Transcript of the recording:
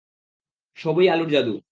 সবই আলুর জাদু।